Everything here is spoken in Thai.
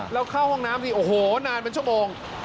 แล้วเข้าห้องน้ำดิโอ้โหนานเป็นชั่วโมง